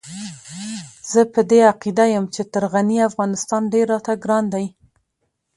زه په دې عقيده يم چې تر غني افغانستان ډېر راته ګران دی.